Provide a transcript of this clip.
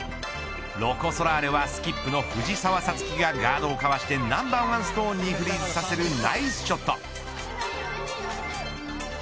ロコ・ソラーレはスキップの藤澤五月がガードをかわしてナンバーワンストーンにフリーズさせるナイスショット。